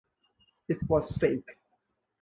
It was fake.